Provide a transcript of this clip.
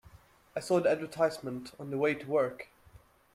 I saw the advertisement on the way to work.